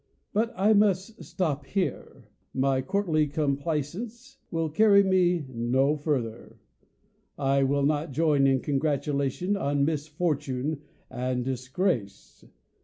But I must stop here ; my courtly complaisance will carry me no farther. I will not join in congratulation on misfortune and disgrace.